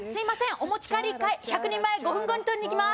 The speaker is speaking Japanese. お持ち帰り１００人前５分後に取りにきます